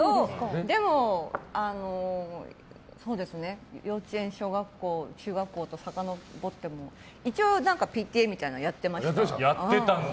でも、幼稚園、小学校、中学校とさかのぼっても、一応ＰＴＡみたいのはやってました。